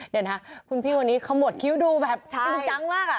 เดี๋ยวนะคุณพี่วันนี้ขมวดคิ้วดูแบบจริงจังมาก